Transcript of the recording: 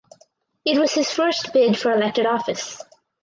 It was his first bid for elected office.